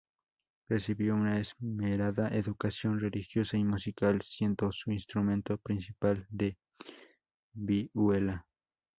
Recibió una esmerada educación religiosa y musical, siendo su instrumento principal la vihuela.